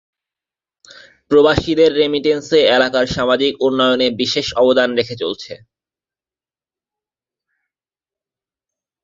প্রবাসীদের রেমিটেন্স এ এলাকার সামাজিক উন্নয়নে বিশেষ অবদান রেখে চলছে।